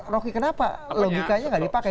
roky kenapa logikanya tidak dipakai